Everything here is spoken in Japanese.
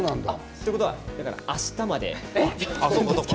ということで、あしたまで。